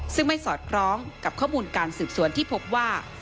ซึ่งไม่สอดคล้องกับข้อมูลการสืบสวนที่พบว่า